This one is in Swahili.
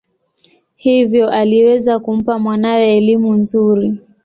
Hivyo aliweza kumpa mwanawe elimu nzuri.